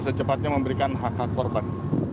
secepatnya memberikan hak hak korban